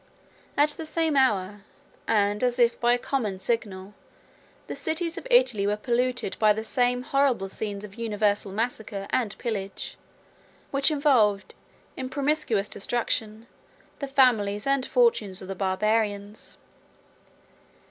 At the same hour, and as if by a common signal, the cities of Italy were polluted by the same horrid scenes of universal massacre and pillage, which involved, in promiscuous destruction, the families and fortunes of the Barbarians.